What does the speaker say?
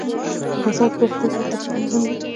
د بازار د پراختیا لپاره تبلیغات مهم دي.